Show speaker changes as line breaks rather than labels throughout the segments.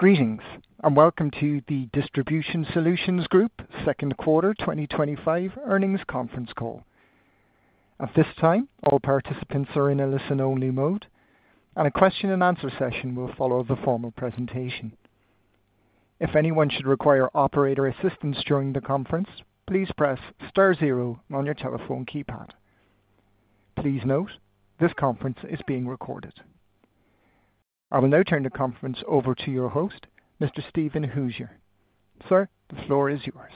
Greetings and welcome to the Distribution Solutions Group second quarter 2025 earnings conference call. At this time, all participants are in a listen-only mode and a question and answer session will follow the formal presentation. If anyone should require operator assistance during the conference, please press 0 on your telephone keypad. Please note this conference is being recorded. I will now turn the conference over to your host, Mr. Steven Hooser. Sir, the floor is yours.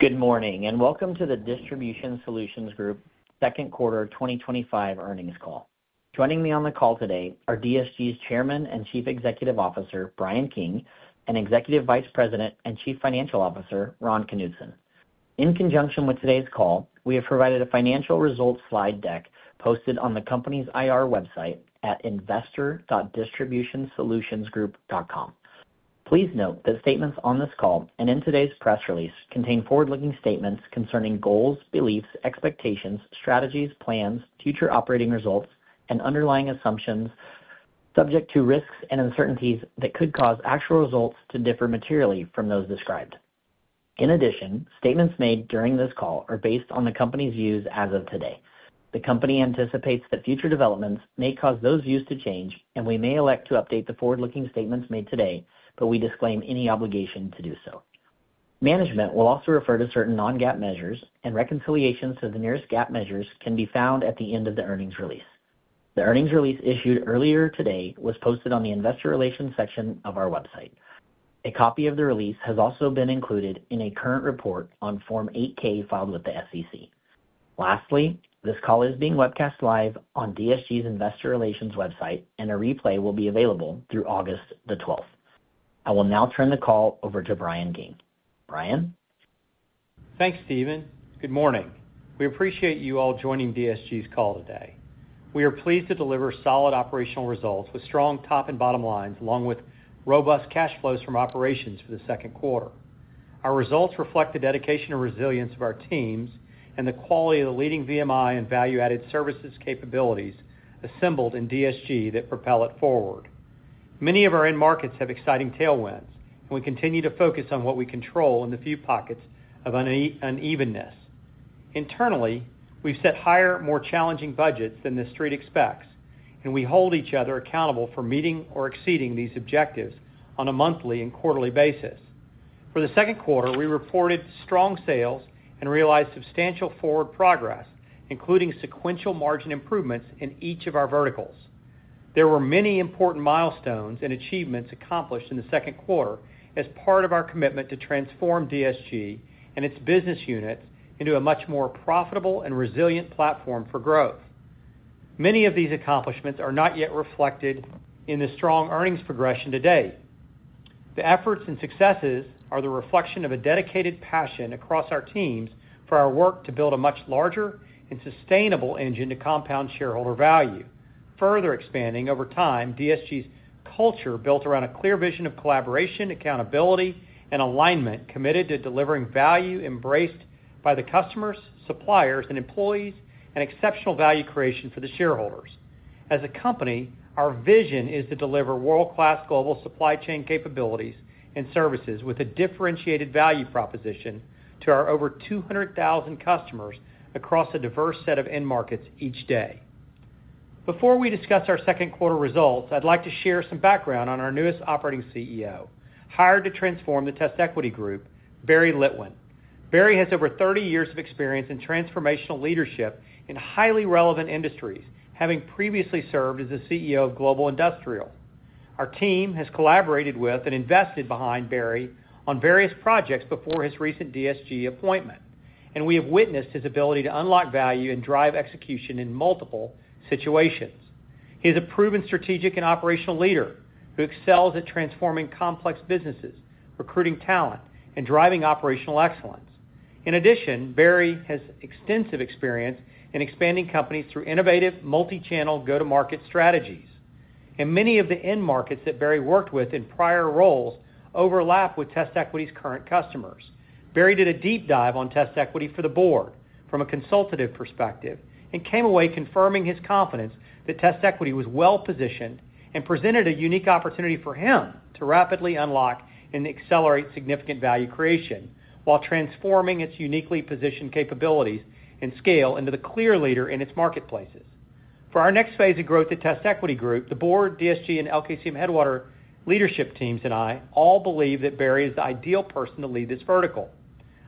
Good morning and welcome to the Distribution Solutions Group second quarter 2025 earnings call. Joining me on the call today are DSG's Chairman and Chief Executive Officer J. Bryan King and Executive Vice President and Chief Financial Officer Ron Knutson. In conjunction with today's call, we have provided a financial results slide deck posted on the company's IR website at investor.distributionsolutionsgroup.com. Please note that statements on this call and in today's press release contain forward-looking statements concerning goals, beliefs, expectations, strategies, plans, future operating results, and underlying assumptions subject to risks and uncertainties that could cause actual results to differ materially from those described. In addition, statements made during this call are based on the Company's views as of today. The Company anticipates that future developments may cause those views to change and we may elect to update the forward-looking statements made today, but we disclaim any obligation to do so. Management will also refer to certain non-GAAP measures and reconciliations to the nearest GAAP measures can be found at the end of the earnings release. The earnings release issued earlier today was posted on the Investor Relations section of our website. A copy of the release has also been included in a current report on Form 8-K filed with the SEC. Lastly, this call is being webcast live on DSG's Investor Relations website and a replay will be available through August 12th. I will now turn the call over to Bryan King. Bryan,
thanks Steven. Good morning. We appreciate you all joining DSG's call today. We are pleased to deliver solid operational results with strong top and bottom lines along with robust cash flows from operations for the second quarter. Our results reflect the dedication and resilience of our teams and the quality of the leading VMI and value added services capabilities assembled in DSG that propel it forward. Many of our end markets have exciting tailwinds and we continue to focus on what we control in the few pockets of unevenness. Internally, we've set higher, more challenging budgets than the street expects and we hold each other accountable for meeting or exceeding these objectives on a monthly and quarterly basis. For the second quarter, we reported strong sales and realized substantial forward progress including sequential margin improvements in each of our verticals. There were many important milestones and achievements accomplished in the second quarter as part of our commitment to transform DSG and its business units into a much more profitable and resilient platform for growth. Many of these accomplishments are not yet reflected in the strong earnings progression today. The efforts and successes are the reflection of a dedicated passion across our teams for our work to build a much larger and sustainable engine to compound shareholder value, further expanding over time. DSG's culture built around a clear vision of collaboration, accountability and alignment, committed to delivering value embraced by the customers, suppliers and employees and exceptional value creation for the shareholders. As a company, our vision is to deliver world class global supply chain capabilities and services with a differentiated value proposition to our over 200,000 customers across a diverse set of end markets each day. Before we discuss our second quarter results, I'd like to share some background on our newest operating CEO hired to transform the TestEquity Group, Barry Litwin. Barry has over 30 years of experience in transformational leadership in highly relevant industries. Having previously served as the CEO of Global Industrial. Our team has collaborated with and invested behind Barry on various projects before his recent DSG appointment and we have witnessed his ability to unlock value and drive execution in multiple situations. He is a proven strategic and operational leader who excels at transforming complex businesses, recruiting talent and driving operational excellence. In addition, Barry has extensive experience in expanding companies through innovative multi-channel go-to-market strategies and many of the end markets that Barry worked with in prior roles overlap with TestEquity's current customers. Barry did a deep dive on TestEquity for the Board from a consultative perspective and came away confirming his confidence that TestEquity was well positioned and presented a unique opportunity for him to rapidly unlock and accelerate significant value creation while transforming its uniquely positioned capabilities and scale into the clear leader in its marketplaces for our next phase of growth. At TestEquity Group, the Board, Distribution Solutions Group and LKCM Headwater leadership teams and I all believe that Barry is the ideal person to lead this vertical.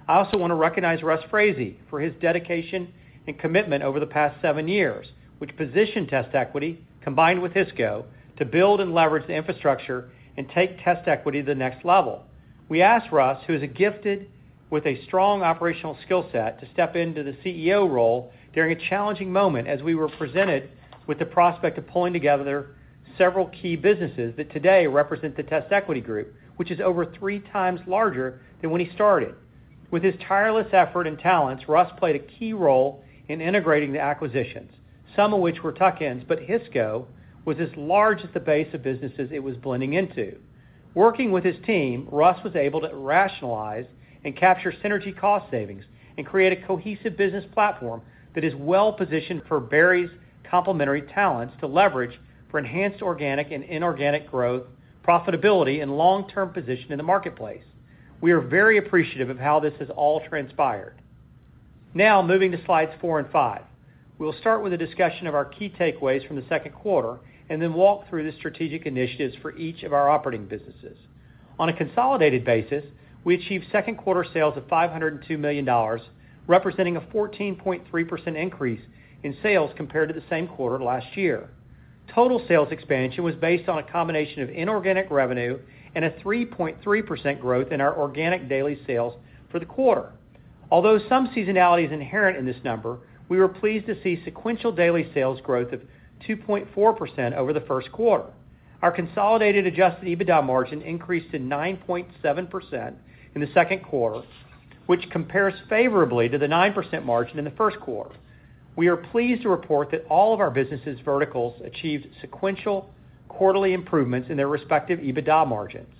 I also want to recognize Russ Frazee for his dedication and commitment over the past seven years, which positioned TestEquity combined with Hisco to build and leverage the infrastructure and take TestEquity to the next level. We asked Russ, who is gifted with a strong operational skill set, to step into the CEO role during a challenging moment as we were presented with the prospect of pulling together several key businesses that today represent the TestEquity Group, which is over three times larger than when he started. With his tireless effort and talents, Russ played a key role in integrating the acquisitions, some of which were tuck-ins, but Hisco was as large as the base of businesses it was blending into. Working with his team, Russ was able to rationalize and capture synergy, cost savings and create a cohesive business platform that is well positioned for Barry's complementary talents to leverage for enhanced organic and inorganic growth, profitability and long-term position in the marketplace. We are very appreciative of how this has all transpired. Now moving to slides four and five, we will start with a discussion of our key takeaways from the second quarter and then walk through the strategic initiatives for each of our operating businesses on a consolidated basis. We achieved second quarter sales of $502 million, representing a 14.3% increase in sales compared to the same quarter last year. Total sales expansion was based on a combination of inorganic revenue and a 3.3% growth in our organic daily sales for the quarter. Although some seasonality is inherent in this number, we were pleased to see sequential daily sales growth of 2.4% over the first quarter. Our consolidated adjusted EBITDA margin increased to 9.7% in the second quarter, which compares favorably to the 9% margin in the first quarter. We are pleased to report that all of our business verticals achieved sequential quarterly improvements in their respective EBITDA margins.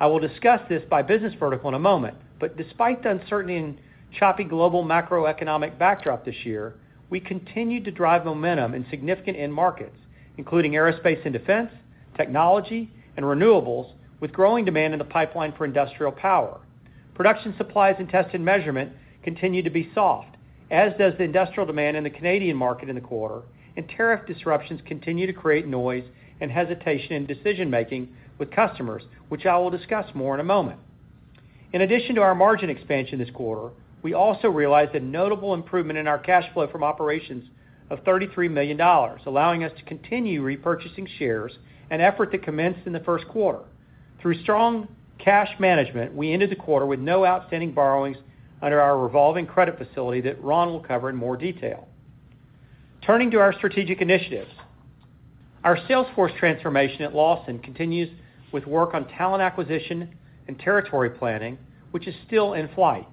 I will discuss this by business vertical in a moment, but despite the uncertainty and choppy global macroeconomic backdrop this year, we continue to drive momentum in significant end markets including aerospace and defense, technology, and renewables. With growing demand in the pipeline for industrial power production, supplies and test and measurement continue to be soft, as does the industrial demand in the Canadian market in the quarter, and tariff disruptions continue to create noise and hesitation in decision making with customers, which I will discuss more in a moment. In addition to our margin expansion this quarter, we also realized a notable improvement in our cash flow from operations of $33 million, allowing us to continue repurchasing shares, an effort that commenced in the first quarter through strong cash management. We ended the quarter with no outstanding borrowings under our revolving credit facility that Ron will cover in more detail. Turning to our strategic initiatives, our salesforce transformation at Lawson continues with work on talent acquisition and territory planning, which is still in flight.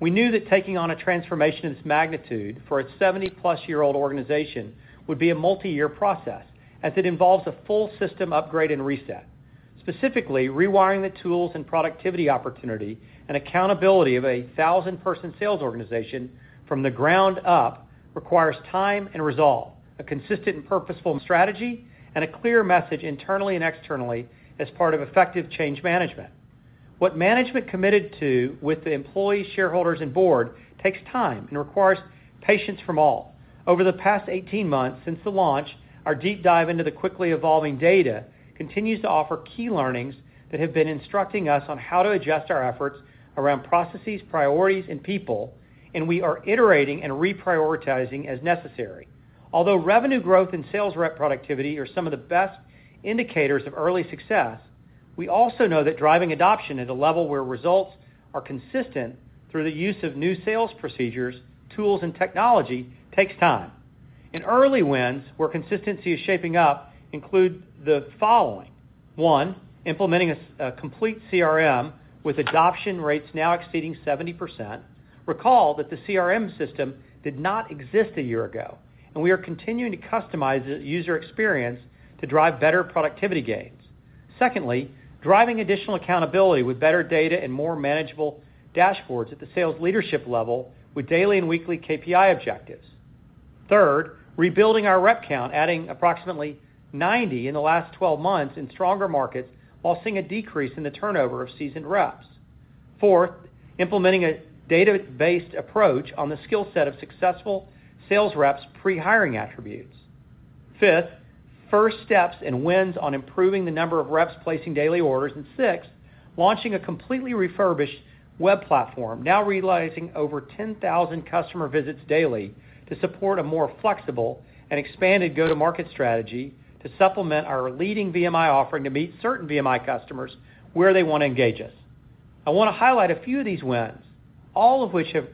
We knew that taking on a transformation of this magnitude for its 70-plus-year-old organization would be a multi-year process as it involves a full system upgrade and reset. Specifically, rewiring the tools and productivity, opportunity, and accountability of a thousand-person sales organization from the ground up requires time and resolve, a consistent and purposeful strategy, and a clear message internally and externally as part of effective change management. What management committed to with the employees, shareholders, and board takes time and requires patience from all. Over the past 18 months since the launch, our deep dive into the quickly evolving data continues to offer key learnings that have been instructing us on how to adjust our efforts around processes, priorities, and people, and we are iterating and reprioritizing as necessary. Although revenue growth and sales rep productivity are some of the best indicators of early success, we also know that driving adoption at a level where results are consistent through the use of new sales procedures, tools, and technology takes time. Early wins where consistency is shaping up include the following: 1. Implementing a complete CRM with adoption rates now exceeding 70%. Recall that the CRM system did not exist a year ago, and we are continuing to customize the user experience to drive better productivity gains. Secondly, driving additional accountability with better data and more manageable dashboards at the sales leadership level with daily and weekly KPI objectives. Third, rebuilding our rep count, adding approximately 90 in the last 12 months in stronger markets while seeing a decrease in the turnover of seasoned reps. Fourth, implementing a data-based approach on the skill set of successful sales reps' pre-hiring attributes. Fifth, first steps and wins on improving the number of reps placing daily orders. Sixth, launching a completely refurbished e-commerce platform, now realizing over 10,000 customer visits daily to support a more flexible and expanded go-to-market strategy to supplement our leading VMI offering to meet certain VMI customers where they want to engage us. I want to highlight a few of these wins, all of which have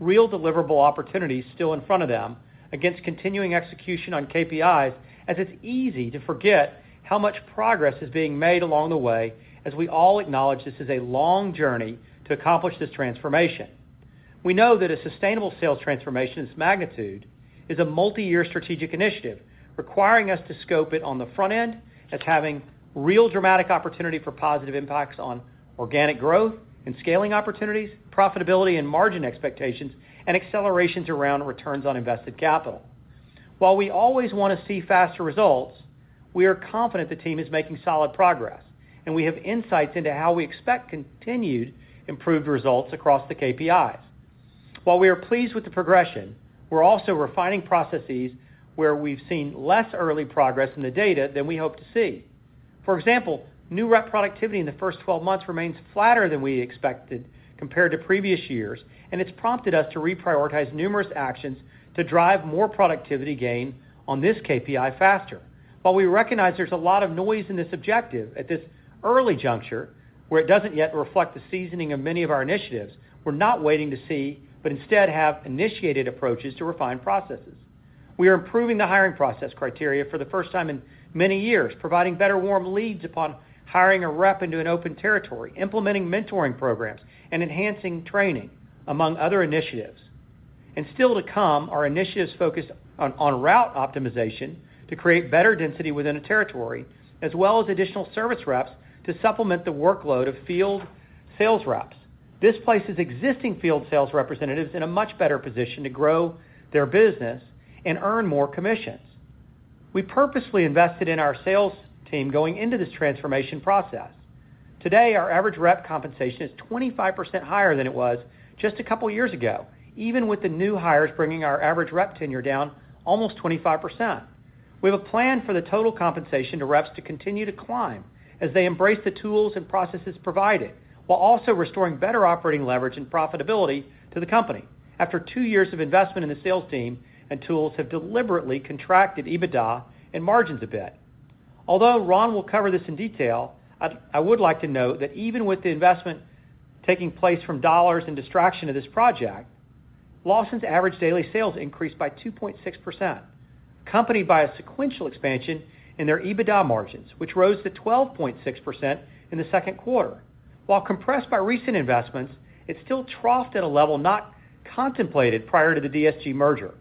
real deliverable opportunities still in front of them against continuing execution on KPIs, as it's easy to forget how much progress is being made along the way. As we all acknowledge, this is a long journey to accomplish this transformation. We know that a sustainable sales transformation of this magnitude is a multi-year strategic initiative requiring us to scope it on the front end as having real dramatic opportunity for positive impacts on organic growth and scaling opportunities, profitability and margin expectations, and accelerations around returns on invested capital. While we always want to see faster results, we are confident the team is making solid progress, and we have insights into how we expect continued improved results across the KPIs. While we are pleased with the progression, we're also refining processes where we've seen less early progress in the data than we hope to see. For example, new rep productivity in the first 12 months remains flatter than we expected compared to previous years, and it's prompted us to reprioritize numerous actions to drive more productivity gain on this KPI faster. While we recognize there's a lot of noise in this objective at this point, early juncture where it doesn't yet reflect the seasoning of many of our initiatives, we're not waiting to see, but instead have initiated approaches to refine processes. We are improving the hiring process criteria for the first time in many years, providing better warm leads upon hiring a rep into an open territory, implementing mentoring programs and enhancing training, among other initiatives. Still to come are initiatives focused on route optimization to create better density within a territory, as well as additional service reps to supplement the workload of field sales reps. This places existing field sales representatives in a much better position to grow their business and earn more commissions. We purposely invested in our sales team going into this transformation process. Today our average rep compensation is 25% higher than it was just a couple years ago. Even with the new hires bringing our average rep tenure down almost 25%, we have a plan for the total compensation to reps to continue to climb as they embrace the tools and processes provided while also restoring better operating leverage and profitability to the company. After two years of investment in the sales team and tools have deliberately contracted EBITDA and margins a bit. Although Ron will cover this in detail, I would like to note that even with the investment taking place from dollars and distraction of this project, Lawson's average daily sales increased by 2.6% accompanied by a sequential expansion in their EBITDA margins which rose to 12.6% in the second quarter. While compressed by recent investments, it still troughed at a level not contemplated prior to the DSG merger.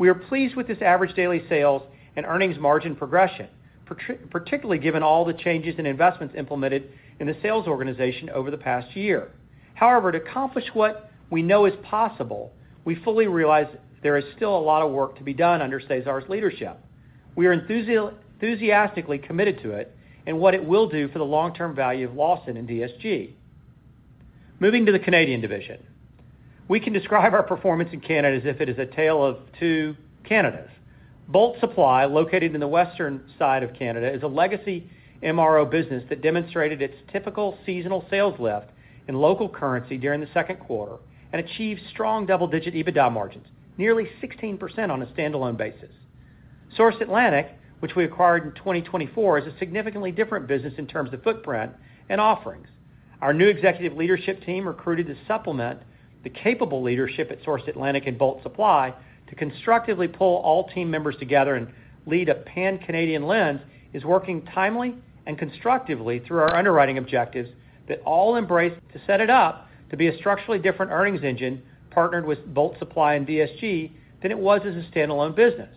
We are pleased with this average daily sales and earnings margin progression, particularly given all the changes in investments implemented in the sales organization over the past year. However, to accomplish what we know is possible, we fully realize there is still a lot of work to be done under Cesar's leadership. We are enthusiastically committed to it and what it will do for the long term. Value of Lawson and DSG. Moving to the Canadian division, we can describe our performance in Canada as if it is a tale of two Canadas. Bolt Supply, located in the western side of Canada, is a legacy MRO business that demonstrated its typical seasonal sales lift in local currency during the second quarter and achieved strong double-digit EBITDA margins, nearly 16% on a standalone basis. Source Atlantic, which we acquired in 2024, is a significantly different business in terms of footprint and offerings. Our new executive leadership team, recruited to supplement the capable leadership at Source Atlantic and Bolt Supply to constructively pull all team members together and lead a pan-Canadian lens, is working timely and constructively through our underwriting objectives that all embrace to set it up to be a structurally different earnings engine partnered with Bolt Supply and DSG than it was as a standalone business.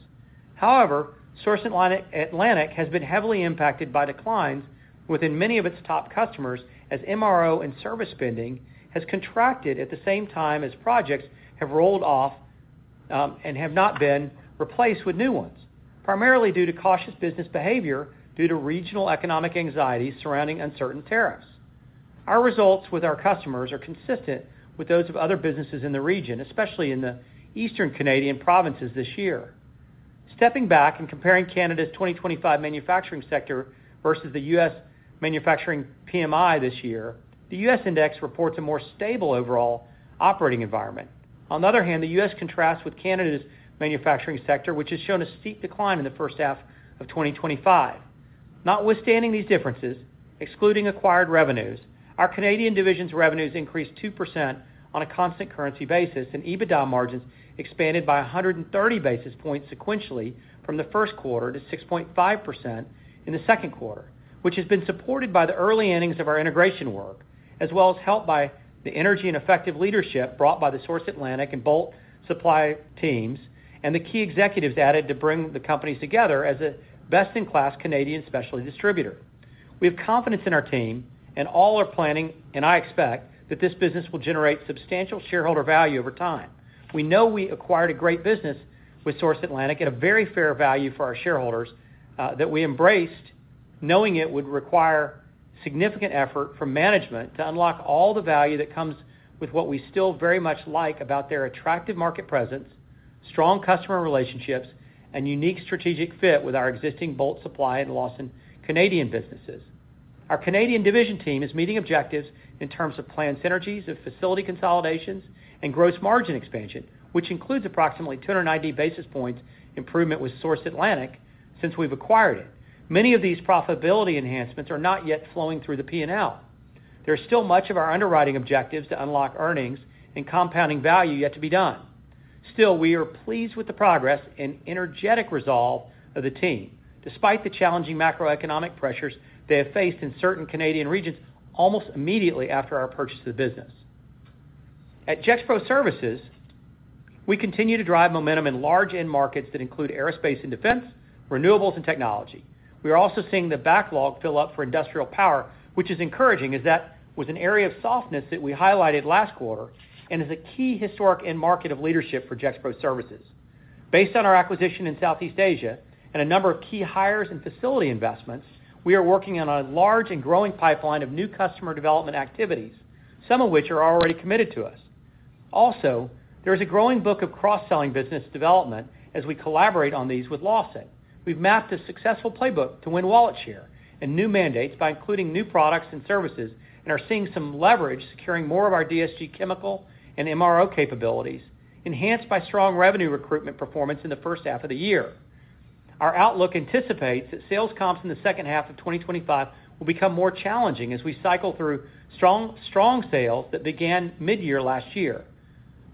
However, Source Atlantic has been heavily impacted by declines within many of its top customers as MRO and service spending has contracted at the same time as projects have rolled off and have not been replaced with new ones, primarily due to cautious business behavior due to regional economic anxieties surrounding uncertain tariffs. Our results with our customers are consistent with those of other businesses in the region, especially in the eastern Canadian provinces this year. Stepping back and comparing Canada's 2025 manufacturing sector versus the U.S. manufacturing PMI this year, the U.S. index reports a more stable overall operating environment. On the other hand, the U.S. contrasts with Canada's manufacturing sector, which has shown a steep decline in the first half of 2025. Notwithstanding these differences, excluding acquired revenues, our Canadian division's revenues increased 2% on a constant currency basis and EBITDA margins expanded by 130 basis points sequentially from the first quarter to 6.5% in the second quarter, which has been supported by the early innings of our integration work as well as helped by the energy and effective leadership brought by the Source Atlantic and Bolt Supply teams and the key executives added to bring the companies together as a best-in-class Canadian specialty distributor. We have confidence in our team and all our planning and I expect that this business will generate substantial shareholder value over time. We know we acquired a great business with Source Atlantic and a very fair value for our shareholders that we embraced knowing it would require significant effort from management to unlock all the value that comes with what we still very much like about their attractive market presence, strong customer relationships, and unique strategic fit with our existing Bolt Supply and Lawson Products Canadian businesses. Our Canadian Division team is meeting objectives in terms of planned synergies of facility consolidations and gross margin expansion, which includes approximately 290 basis points improvement with Source Atlantic since we've acquired it. Many of these profitability enhancements are not yet flowing through the P&L. There's still much of our underwriting objectives to unlock earnings and compounding value yet to be done. Still, we are pleased with the progress and energetic resolve of the team despite the challenging macroeconomic pressures they have faced in certain Canadian regions. Almost immediately after our purchase of the business at Gexpro Services, we continue to drive momentum in large end markets that include aerospace and defense, renewables, and technology. We are also seeing the backlog fill up for industrial power, which is encouraging as that was an area of softness that we highlighted last quarter and is a key historic end market of leadership for Gexpro Services. Based on our acquisition in Southeast Asia and a number of key hires and facility investments, we are working on a large and growing pipeline of new customer development activities, some of which are already committed to us. Also, there is a growing book of cross-selling business development as we collaborate on these with Lawson Products. We've mapped a successful playbook to win wallet share and new mandates by including new products and services and are seeing some leverage securing more of our DSG Chemical and MRO capabilities, enhanced by strong revenue recruitment performance in the first half of the year. Our outlook anticipates that sales comps in the second half of 2025 will become more challenging as we cycle through strong sales that began mid-year last year,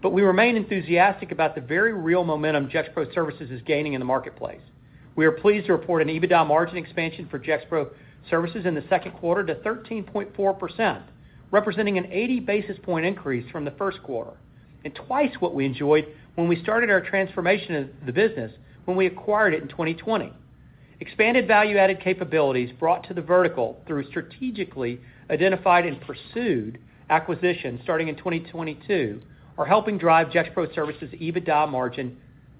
but we remain enthusiastic about the very real momentum Gexpro Services is gaining in the marketplace. We are pleased to report an EBITDA margin expansion for Gexpro Services in the second quarter to 13.4%, representing an 80 basis point increase from the first quarter and twice what we enjoyed when we started our transformation of the business when we acquired it in 2020. Expanded value added capabilities brought to the vertical through strategically identified and pursued acquisitions starting in 2022 are helping drive Gexpro Services EBITDA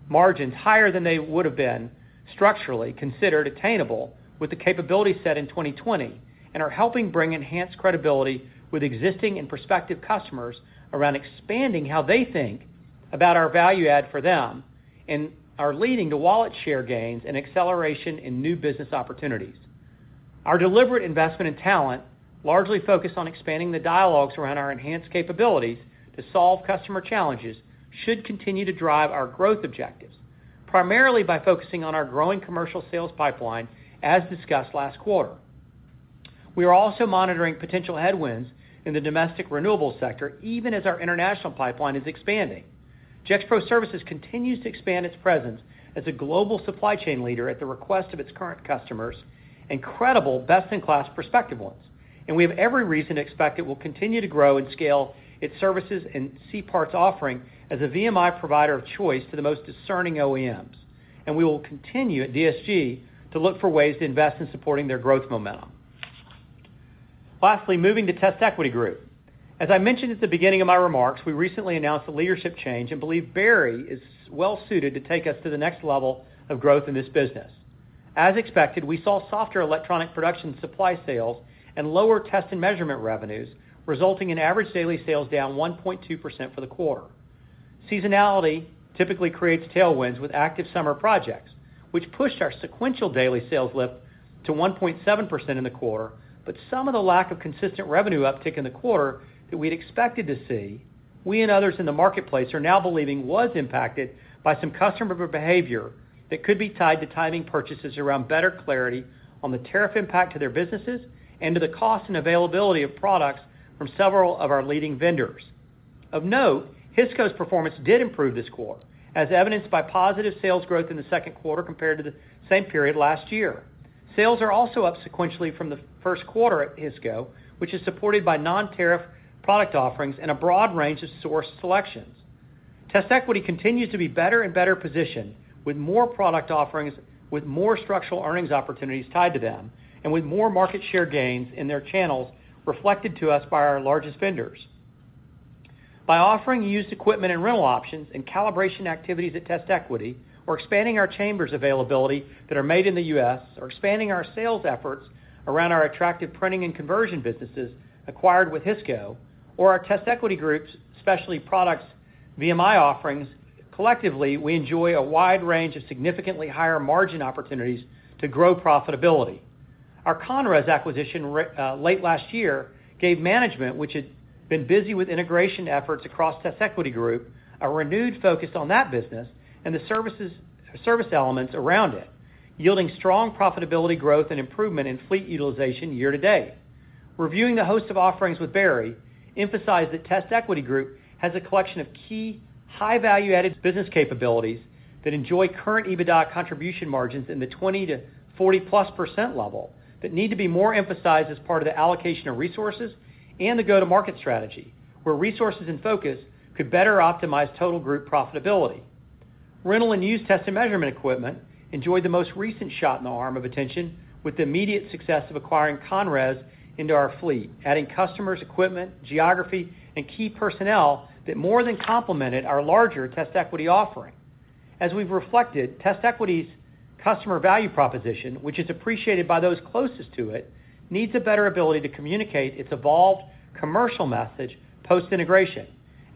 margins higher than they would have been structurally considered attainable with the capability set in 2020 and are helping bring enhanced credibility with existing and prospective customers around, expanding how they think about our value add for them and are leading to wallet share gains and acceleration in new business opportunities. Our deliberate investment in talent, largely focused on expanding the dialogues around our enhanced capabilities to solve customer challenges, should continue to drive our growth objectives primarily by focusing on our growing commercial sales pipeline. As discussed last quarter, we are also monitoring potential headwinds in the domestic renewable sector. Even as our international pipeline is expanding, Gexpro Services continues to expand its presence as a global supply chain leader at the request of its current customers, incredible best in class prospective ones, and we have every reason to expect it will continue to grow and scale its services and CParts offering as a VMI provider of choice to the most discerning OEMs and we will continue at DSG to look for ways to invest in supporting their growth momentum. Lastly, moving to TestEquity Group, as I mentioned at the beginning of my remarks, we recently announced a leadership change and believe Barry is well suited to take us to the next level of growth in this business. As expected, we saw softer electronic production equipment supply sales and lower test and measurement instrument revenues resulting in average daily sales down 1.2% for the quarter. Seasonality typically creates tailwinds with active summer projects, which pushed our sequential daily sales lift to 1.7% in the quarter. Some of the lack of consistent revenue uptick in the quarter that we'd expected to see, we and others in the marketplace are now believing was impacted by some customer behavior that could be tied to timing purchases around better clarity on the tariff impact to their businesses and to the cost and availability of products from several of our leading vendors. Of note, Hisco's performance did improve this quarter as evidenced by positive sales growth in the second quarter compared to the same period last year. Sales are also up sequentially from the first quarter at Hisco, which is supported by non-tariff product offerings and a broad range of source selections. TestEquity continues to be better and better positioned with more product offerings, with more structural earnings opportunities tied to them, and with more market share gains in their channels reflected to us by our largest vendors. By offering used equipment and rental options and calibration activities at TestEquity or expanding our chambers availability that are made in the U.S. or expanding our sales efforts around our attractive printing and conversion businesses acquired with Hisco or our TestEquity Group's specialty products VMI offerings, collectively we enjoy a wide range of significantly higher margin opportunities to grow profitability. Our Conres acquisition late last year gave management, which had been busy with integration efforts across TestEquity Group, a renewed focus on that business and the service elements around it, yielding strong profitability growth and improvement in fleet utilization year to date. Reviewing the host of offerings with Barry emphasized that TestEquity Group has a collection of key high value-added business capabilities that enjoy current EBITDA contribution margins in the 20% to 40% plus level that need to be more emphasized as part of the allocation of resources and the go-to-market strategy where resources and focus could better optimize total group profitability. Rental and used test and measurement equipment enjoyed the most recent shot in the arm of attention with the immediate success of acquiring Conres into our fleet, adding customers, equipment, geography, and key personnel that more than complemented our larger TestEquity offering. As we've reflected, TestEquity's customer value proposition, which is appreciated by those closest to it, needs a better ability to communicate its evolved commercial message post-integration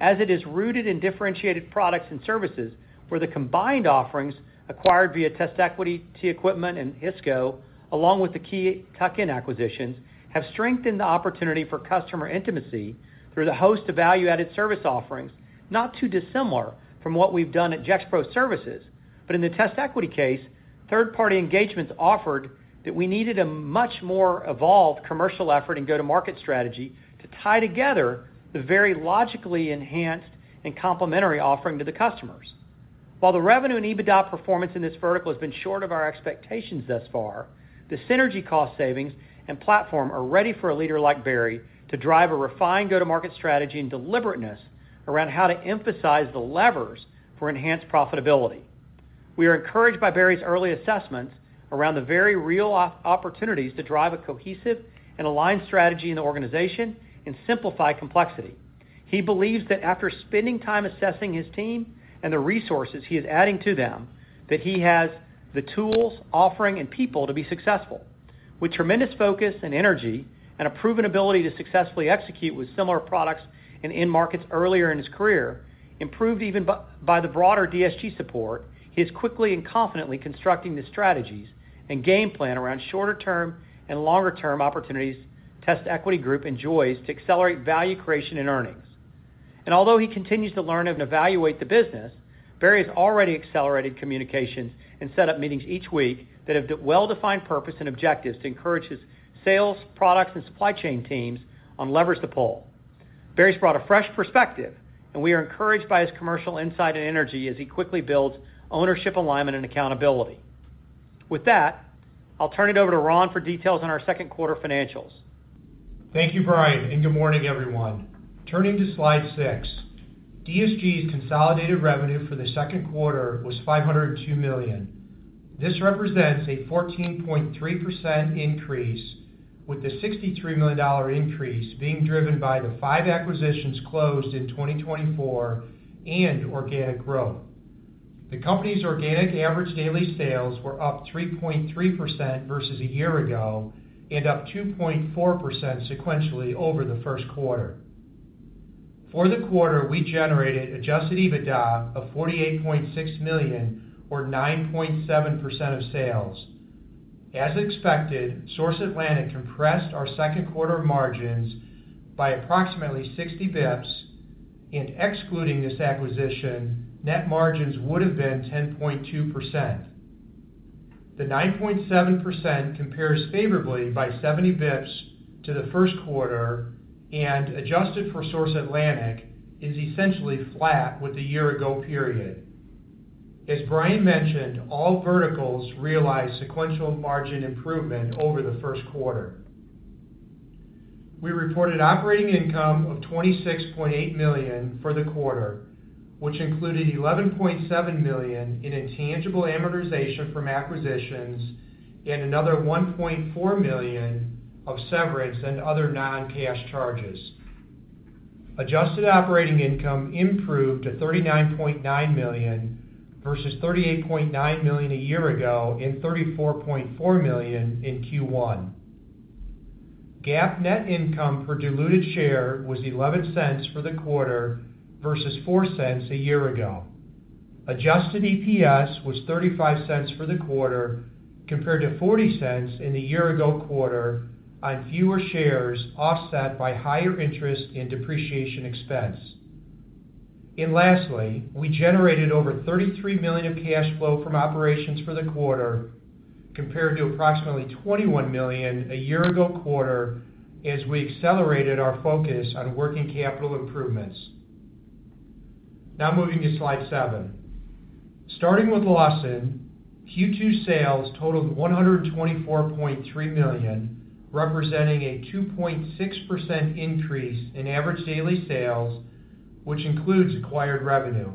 as it is rooted in differentiated products and services where the combined offerings acquired via TestEquity, T Equipment, and Hisco along with the key tuck-in acquisitions have strengthened the opportunity for customer intimacy through the host of value-added service offerings not too dissimilar from what we've done at Gexpro Services. In the TestEquity Group case, third party engagements offered that we needed a much more evolved commercial effort and go to market strategy to tie together the very logically enhanced and complementary offering to the customers. While the revenue and EBITDA performance in this vertical has been short of our expectations thus far, the synergy, cost savings, and platform are ready for a leader like Barry to drive a refined go to market strategy and deliberateness around how to emphasize the levers for enhanced profitability. We are encouraged by Barry's early assessments around the very real opportunities to drive a cohesive and aligned strategy in the organization and simplify complexity. He believes that after spending time assessing his team and the resources he is adding to them that he has the tools, offering, and people to be successful. With tremendous focus and energy and a proven ability to successfully execute with similar products and end markets earlier in his career, improved even by the broader DSG support, he is quickly and confidently constructing the strategies and game plan around shorter term and longer term opportunities TestEquity Group enjoys to accelerate value creation and earnings. Although he continues to learn and evaluate the business, Barry has already accelerated communications and set up meetings each week that have well defined purpose and objectives to encourage his sales, products, and supply chain teams on leverage the pull. Barry's brought a fresh perspective and we are encouraged by his commercial insight and energy as he quickly builds ownership, alignment, and accountability. With that, I'll turn it over to Ron for details on our second quarter financials.
Thank you, Bryan, and good morning, everyone. Turning to Slide 6, DSG's consolidated revenue for the second quarter was $502 million. This represents a 14.3% increase, with the $63 million increase being driven by the five acquisitions closed in 2024 and organic growth. The company's organic average daily sales were up 3.3% versus a year ago and up 2.4% sequentially over the first quarter. For the quarter, we generated adjusted EBITDA of $48.6 million or 9.7% of sales. As expected, Source Atlantic compressed our second quarter margins by approximately 60 basis points, and excluding this acquisition, net margins would have been 10.2%. The 9.7% compares favorably by 70 basis points to the first quarter, and adjusted for Source Atlantic is essentially flat with the year ago period. As Bryan mentioned, all verticals realized sequential margin improvement over the first quarter. We reported operating income of $26.8 million for the quarter, which included $11.7 million in intangible amortization from acquisitions and another $1.4 million of severance and other non-cash charges. Adjusted operating income improved to $39.9 million versus $38.9 million a year ago and $34.4 million in Q1. GAAP net income per diluted share was $0.11 for the quarter versus $0.04 a year ago. Adjusted EPS was $0.35 for the quarter compared to $0.40 in the year ago quarter on fewer shares offset by higher interest and depreciation expense. Lastly, we generated over $33 million of cash flow from operations for the quarter compared to approximately $21 million a year ago quarter as we accelerated our focus on working capital improvements. Now moving to Slide seven, starting with Lawson, Q2 sales totaled $124.3 million, representing a 2.6% increase in average daily sales, which includes acquired revenue.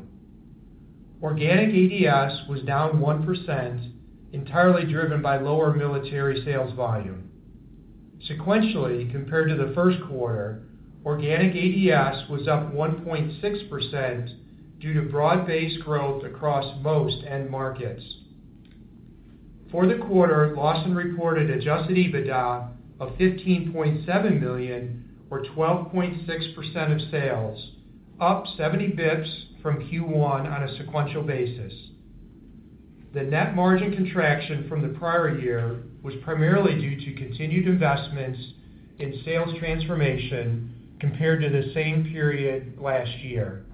Organic ADS was down 1%, entirely driven by lower military sales volume sequentially compared to the first quarter. Organic ADS was up 1.6% due to broad-based growth across most end markets. For the quarter, Lawson reported adjusted EBITDA of $15.7 million or 12.6% of sales, up 70 basis points from Q1 on a sequential basis. The net margin contraction from the prior year was primarily due to continued investments in sales transformation compared to the same period last year.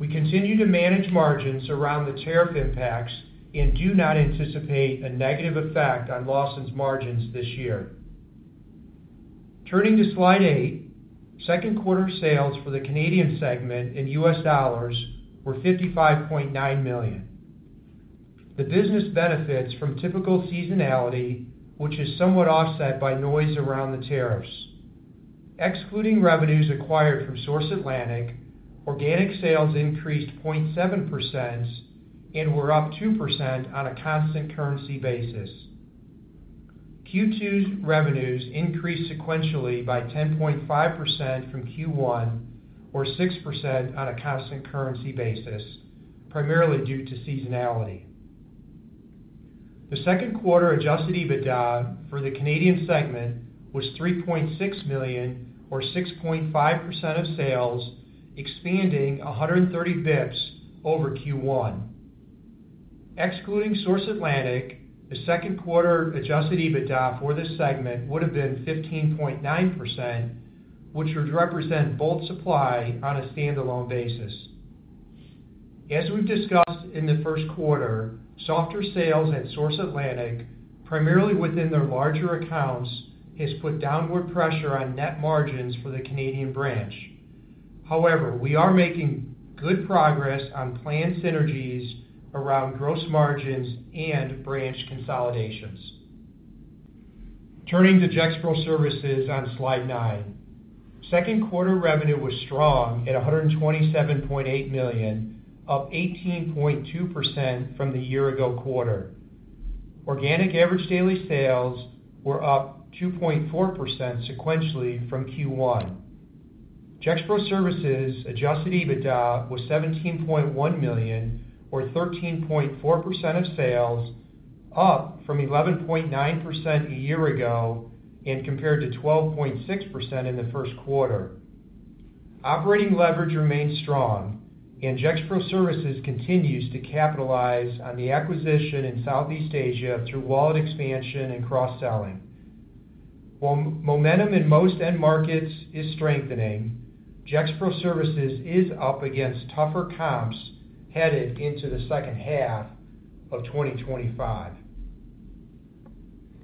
We continue to manage margins around the tariff impacts and do not anticipate a negative effect on Lawson's margins this year. Turning to Slide 8, second quarter sales for the Canadian segment in U.S. dollars were $55.9 million. The business benefits from typical seasonality, which is somewhat offset by noise around the tariffs. Excluding revenues acquired from Source Atlantic, organic sales increased 0.7% and were up 2% on a constant currency basis. Q2 revenues increased sequentially by 10.5% from Q1 or 6% on a constant currency basis, primarily due to seasonality. The second quarter adjusted EBITDA for the Canadian segment was $3.6 million or 6.5% of sales, expanding 130 basis points over Q1 excluding Source Atlantic. The second quarter adjusted EBITDA for this segment would have been 15.9%, which would represent Bolt Supply on a standalone basis. As we've discussed in the first quarter, softer sales at Source Atlantic, primarily within their larger accounts, has put downward pressure on net margins for the Canadian branch. However, we are making good progress on planned synergies around gross margins and branch consolidations. Turning to Gexpro Services on Slide 9, second quarter revenue was strong at $127.8 million, up 18.2% from the year-ago quarter. Organic average daily sales were up 2.4% sequentially from Q1. Gexpro Services adjusted EBITDA was $17.1 million or 13.4% of sales, up from 11.9% a year ago and compared to 12.6% in the first quarter. Operating leverage remains strong, and Gexpro Services continues to capitalize on the acquisition in Southeast Asia through wallet expansion and cross-selling. While momentum in most end markets is strengthening, Gexpro Services is up against tougher comps headed into the second half of 2025.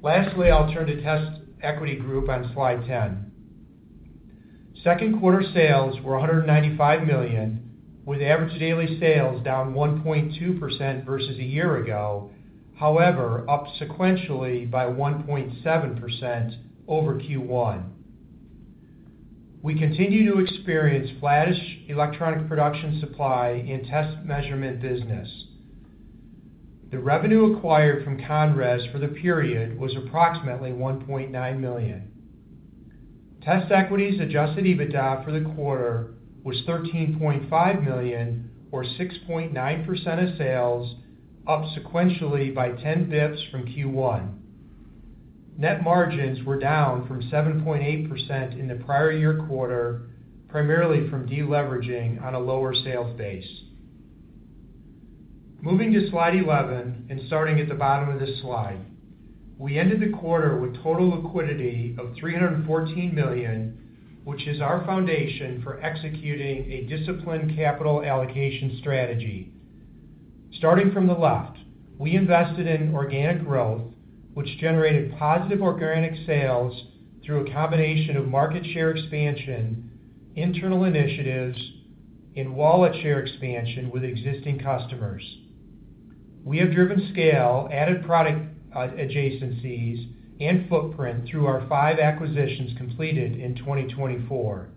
Lastly, I'll turn to TestEquity Group on Slide 10. Second quarter sales were $195 million, with average daily sales down 1.2% versus a year ago, however up sequentially by 1.7% over Q1. We continue to experience flattish electronic production, supply, and test measurement business. The revenue acquired from Conres for the period was approximately $1.9 million. TestEquity's adjusted EBITDA for the quarter was $13.5 million or 6.9% of sales, up sequentially by 10 basis points from Q1. Net margins were down from 7.8% in the prior year quarter, primarily from deleveraging on a lower sales base. Moving to Slide 11 and starting at the bottom of this slide, we ended the quarter with total liquidity of $314 million, which is our foundation for executing a disciplined capital allocation strategy. Starting from the left, we invested in organic growth which generated positive organic sales through a combination of market share expansion, internal initiatives, and wallet share expansion with existing customers. We have driven scale, added product adjacencies, and footprint through our five acquisitions completed in 2024.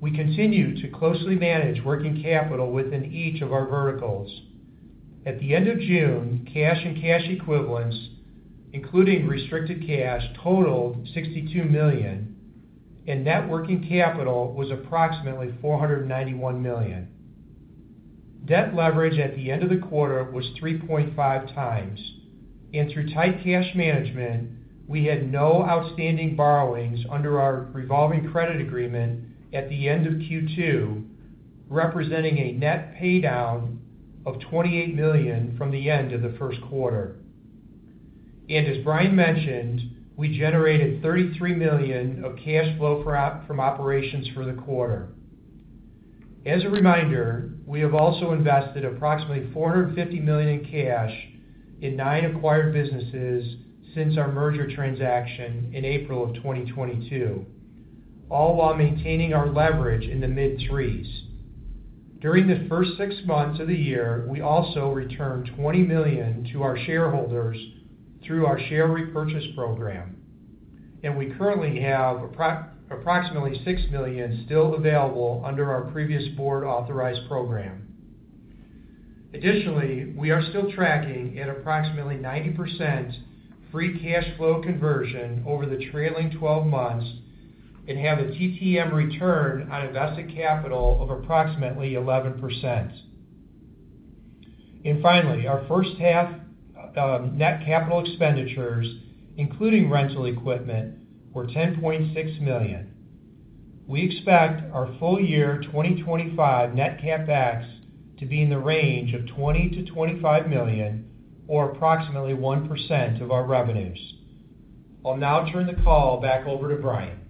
We continue to closely manage working capital within each of our verticals. At the end of June, cash and cash equivalents including restricted cash totaled $62 million and net working capital was approximately $491 million. Debt leverage at the end of the quarter was 3.5 times, and through tight cash management we had no outstanding borrowings under our revolving credit facility at the end of Q2, representing a net paydown of $28 million from the end of the first quarter. As Bryan mentioned, we generated $33 million of cash flow from operations for the quarter. As a reminder, we have also invested approximately $450 million in cash in nine acquired businesses since our merger transaction in April of 2022, all while maintaining our leverage in the mid 3s during the first six months of the year. We also returned $20 million to our shareholders through our share repurchase program, and we currently have approximately $6 million still available under our previous Board authorized program. Additionally, we are still tracking at approximately 90% free cash flow conversion over the trailing 12 months and have a TTM return on invested capital of approximately 11%. Finally, our first half net capital expenditures including rental equipment were $10.6 million. We expect our full year 2025 net CapEx to be in the range of $20 to $25 million or approximately 1% of our revenues. I'll now turn the call back over to Bryan.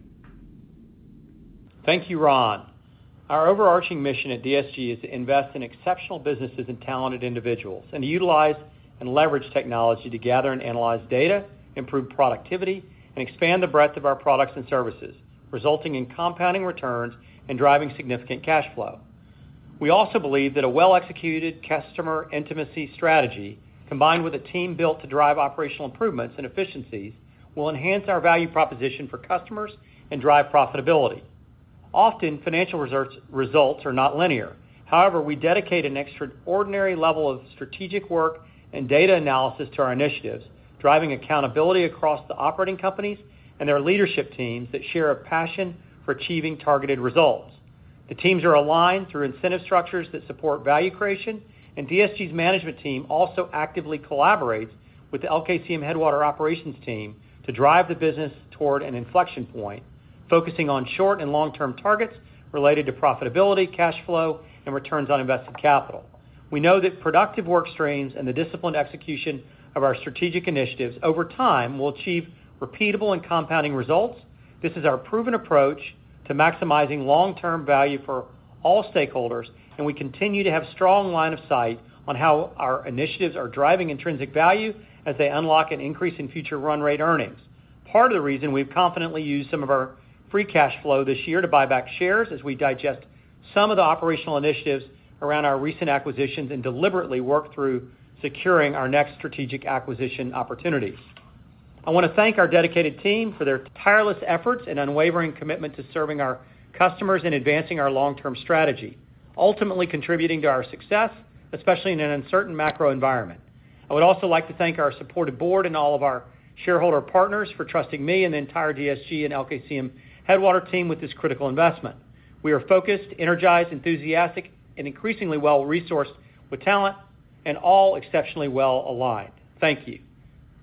Thank you, Ron. Our overarching mission at DSG is to invest in exceptional businesses and talented individuals and to utilize and leverage technology to gather and analyze data, improve productivity, and expand the breadth of our products and services, resulting in compounding returns and driving significant cash flow. We also believe that a well-executed customer intimacy strategy, combined with a team built to drive operational improvements and efficiencies, will enhance our value proposition for customers and drive profitability. Often, financial results are not linear. However, we dedicate an extraordinary level of strategic work and data analysis to our initiatives, driving accountability across the operating companies and their leadership teams that share a passion for achieving targeted results. The teams are aligned through incentive structures that support value creation, and DSG's management team also actively collaborates with the LKCM Headwater Operations team to drive the business toward an inflection point, focusing on short and long term targets related to profitability, cash flow, and returns on invested capital. We know that productive work strains and the disciplined execution of our strategic initiatives over time will achieve repeatable and compounding results. This is our proven approach to maximizing long term value for all stakeholders, and we continue to have strong line of sight on how our initiatives are driving intrinsic value as they unlock an increase in future run rate earnings. Part of the reason we've confidently used some of our free cash flow this year to buy back shares is as we digest some of the operational initiatives around our recent acquisitions and deliberately work through securing our next strategic acquisition opportunities. I want to thank our dedicated team for their tireless efforts and unwavering commitment to serving our customers and advancing our long term strategy, ultimately contributing to our success, especially in an uncertain macro environment. I would also like to thank our supportive board and all of our shareholder partners for trusting me and the entire DSG and LKCM Headwater team with this critical investment. We are focused, energized, enthusiastic, and increasingly well resourced with talent and all exceptionally well aligned. Thank you.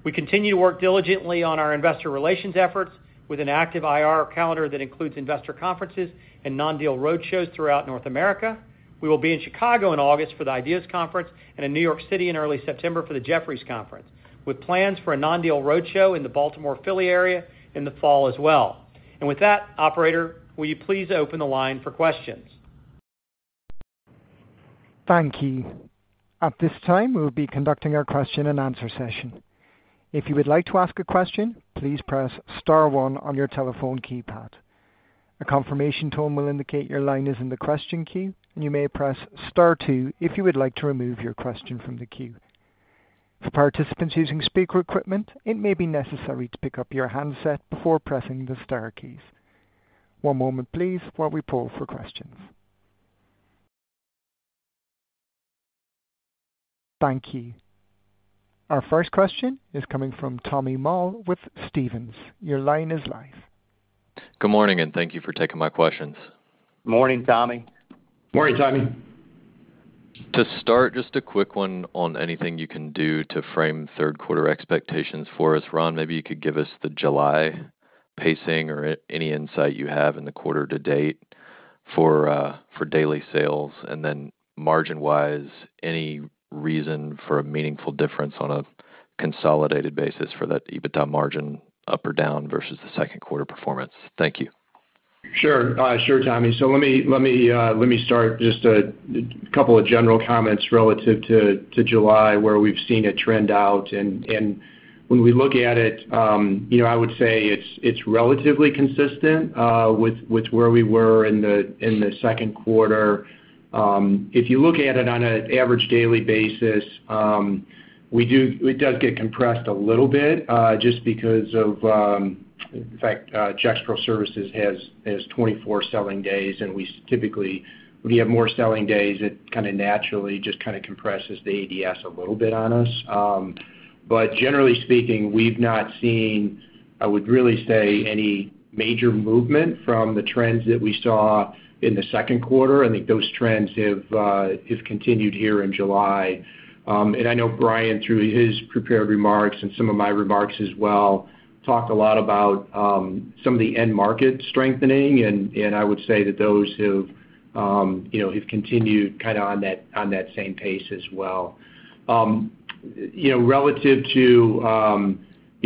We continue to work diligently on our investor relations efforts with an active IR calendar that includes investor conferences and non-deal roadshows throughout North America. We will be in Chicago in August for the Ideas Conference and in New York City in early September for the Jefferies Conference, with plans for a non-deal roadshow in the Baltimore Philly area in the fall as well. With that, operator, will you please open the line for questions?
Thank you. At this time we will be conducting our question and answer session. If you would like to ask a question, please press star one on your telephone keypad. A confirmation tone will indicate your line is in the question queue, and you may press star two if you would like to remove your question from the queue. For participants using speaker equipment, it may be necessary to pick up your handset before pressing the star keys. One moment please, while we poll for questions. Thank you. Our first question is coming from Thomas Moll with Stephens. Your line is live.
Good morning, and thank you for taking my questions.
Morning Tommy.
Morning Tommy.
To start, just a quick one on anything you can do to frame third quarter expectations for us. Ron, maybe you could give us the July pacing or any insight you have in the quarter to date for daily sales, and then margin wise, any reason for a meaningful difference on a consolidated basis for that adjusted EBITDA margin up or down versus the second quarter performance. Thank you.
Sure. Sure, Tommy. Let me start with just a couple of general comments relative to July where we've seen a trend out, and when we look at it, I would say it's relatively consistent with where we were in the second quarter. If you look at it on an average daily basis, it does get compressed a little bit just because of the fact Gexpro Services has 24 selling days, and typically when you have more selling days, it kind of naturally just compresses the ADS a little bit on us. Generally speaking, we've not seen, I would really say, any major movement from the trends that we saw in the second quarter. I think those trends have continued here in July. I know Bryan, through his prepared remarks and some of my remarks as well, talked a lot about some of the end-market strengthening, and I would say that those have continued kind of on that same pace as well relative to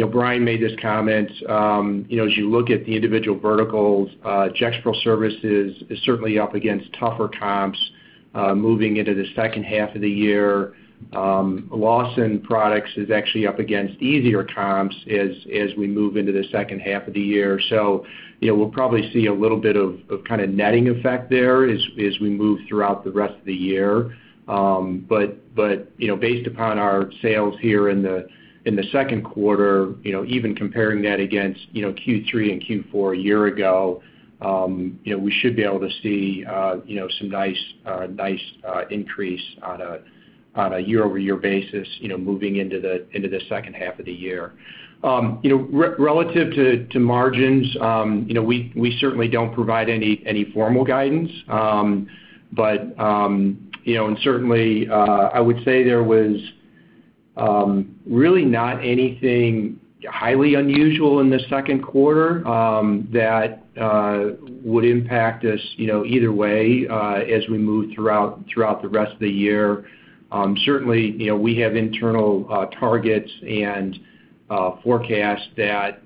Bryan made this comment. As you look at the individual verticals, Gexpro Services is certainly up against tougher comps moving into the second half of the year. Lawson Products is actually up against easier comps as we move into the second half of the year, so we'll probably see a little bit of kind of netting effect there as we move throughout the rest of the year. Based upon our sales here in the second quarter, even comparing that against Q3 and Q4 a year ago, we should be able to see some nice, nice increase on a year-over-year basis moving into the second half of the year. Relative to margins, we certainly don't provide any formal guidance, but I would say there was really not anything highly unusual in the second quarter that would impact us either way as we move throughout the rest of the year. Certainly, we have internal targets and forecasts that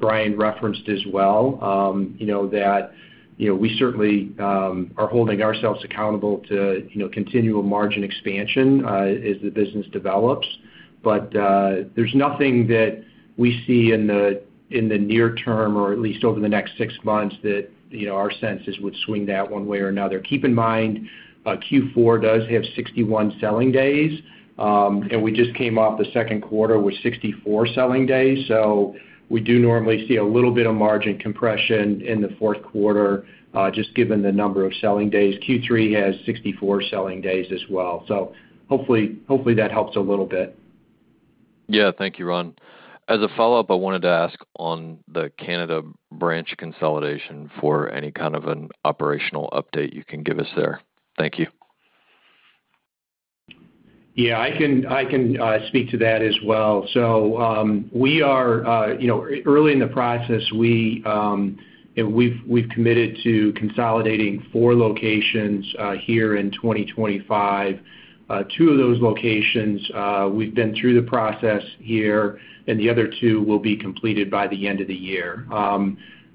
Bryan referenced as well, that we certainly are holding ourselves accountable to, continual margin expansion as the business develops. There's nothing that we see in the near term or at least over the next six months that our sense is would swing that. One way or another. Keep in mind, Q4 does have 61 selling days, and we just came off the second quarter with 64 selling days. We do normally see a little bit of margin compression in the fourth quarter just given the number of selling days. Q3 has 64 selling days as well. Hopefully that helps a little bit.
Yeah, thank you, Ron. As a follow-up, I wanted to ask on the Canada branch consolidation for any kind of an operational update you can give us there. Thank you.
Yeah, I can speak to that as well. We are early in the process. We've committed to consolidating four locations here in 2025. Two of those locations we've been through the process here and the other two will be completed by the end of the year.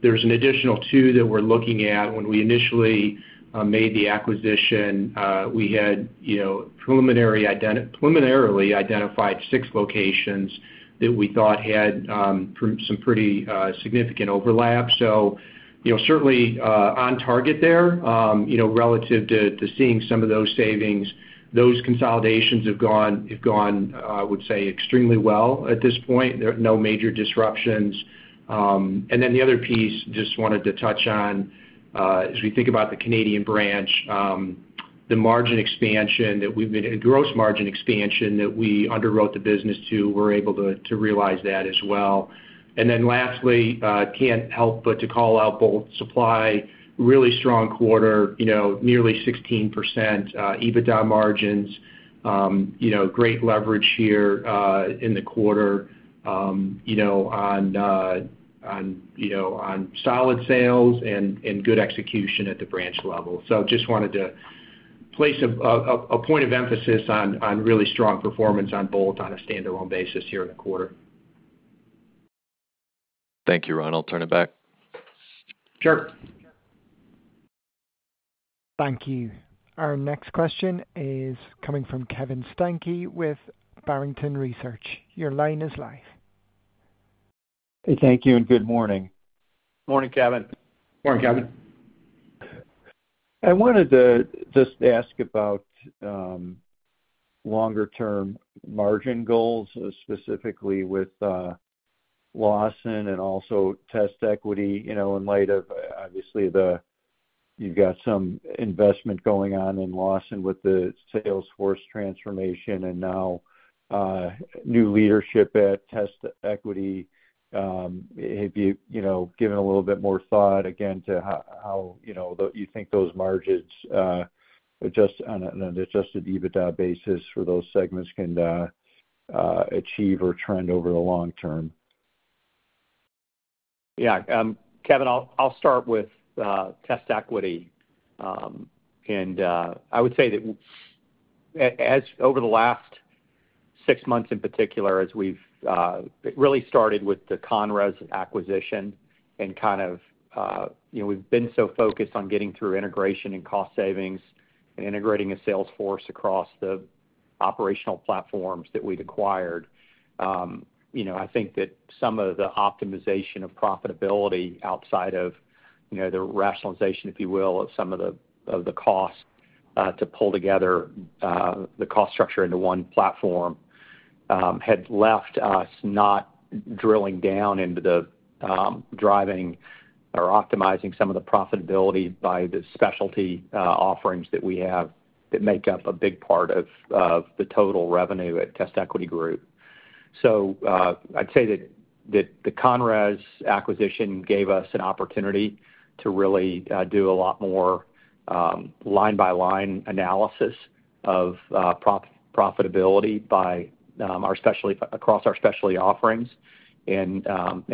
There's an additional two that we're looking at. When we initially made the acquisition, we had preliminarily identified six locations that we thought had some pretty significant overlap. Certainly on target there relative to seeing some of those savings. Those consolidations have gone, I would say, extremely well at this point. No major disruptions. The other piece I just wanted to touch on, as we think about the Canadian branch, the margin expansion that we've been in, gross margin expansion that we underwrote the business to, we're able to realize that as well. Lastly, can't help but to call out Bolt Supply. Really strong quarter, nearly 16% EBITDA margins, great leverage here in the quarter on solid sales and good execution at the branch level. Just wanted to place a point of emphasis on really strong performance on Bolt on a standalone basis here in the quarter.
Thank you, Ron. I'll turn it back.
Sure.
Thank you. Our next question is coming from Kevin Steinke with Barrington Research. Your line is live.
Thank you, and good morning.
Morning, Kevin.
Morning, Kevin.
I wanted to just ask about longer term margin goals specifically with Lawson and also TestEquity. You know, in light of obviously the, you've got some investment going on in Lawson with the salesforce transformation and now new leadership at TestEquity. If you, you know, given a little bit more thought again to how, you know, you think those margins adjust on an adjusted EBITDA basis for those segments can achieve or trend over the long term.
Yeah, Kevin, I'll start with TestEquity and I would say that as over the last six months in particular as we've, it really started with the Conres acquisition and kind of, you know, we've been so focused on getting through integration and cost savings and integrating a sales force across the operational platforms that we'd acquired. I think that some of the optimization of profitability outside of, you know, the rationalization, if you will, of some of the, of the cost to pull together the cost structure into one platform had left us not drilling down into the driving or optimizing some of the profitability by the specialty offerings that we have that make up a big part of the total revenue at TestEquity Group. I'd say that the Conres acquisition gave us an opportunity to really do a lot more line by line analysis of profitability by our specialty across our specialty offerings and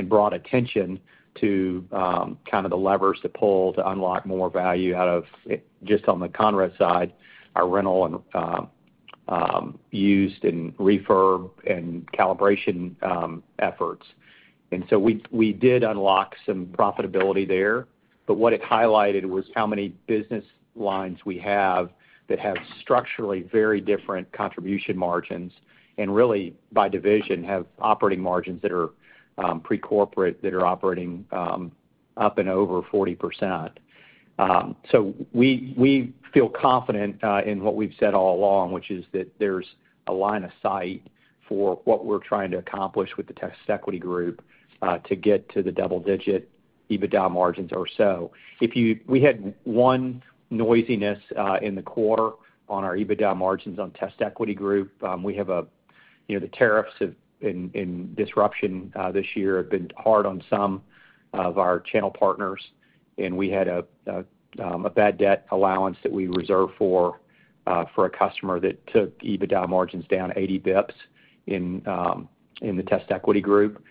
brought attention to kind of the levers to pull to unlock more value out of just on the Conres side, our rental and used and refurb and calibration efforts. We did unlock some profitability there. What it highlighted was how many business lines we have that have structurally very different contribution margins and really by division have operating margins that are pre corporate that are operating up and over 40%. We feel confident in what we've said all along, which is that there's a line of sight for what we're trying to accomplish with the TestEquity Group to get to the double-digit EBITDA margins or so. We had one noisiness in the quarter on our EBITDA margins on TestEquity Group. We have a, you know, the tariffs in disruption this year have been hard on some of our channel partners and we had a bad debt allowance that we reserved for a customer that took EBITDA margins down 80 basis points in the TestEquity Group